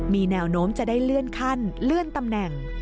มีแนวโน้มจะได้เลื่อนขั้นเลื่อนตำแหน่ง